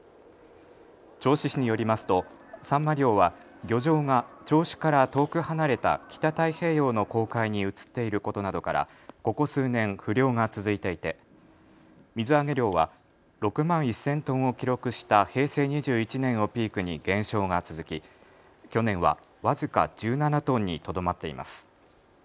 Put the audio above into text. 銚子市によりますとサンマ漁は漁場が銚子から遠く離れた北太平洋の公海に移っていることなどからここ数年、不漁が続いていて水揚げ量は６万１０００トンを記録した平成２１年をピークに減少が続き去年は僅か１７トンにとどまっています。